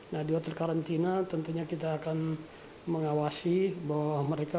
nah di hotel karantina tentunya kita akan mengawasi bahwa mereka